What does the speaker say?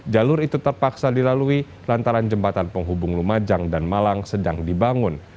jalur itu terpaksa dilalui lantaran jembatan penghubung lumajang dan malang sedang dibangun